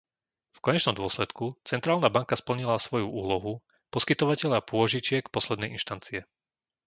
V konečnom dôsledku Centrálna banka splnila svoju úlohu poskytovateľa pôžičiek poslednej inštancie.